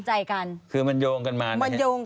แล้วเขาสร้างเองว่าห้ามเข้าใกล้ลูก